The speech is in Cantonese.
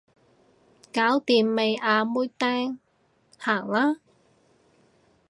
搞掂未啊妹釘，行啦